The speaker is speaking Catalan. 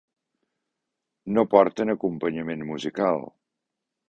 No porten acompanyament musical.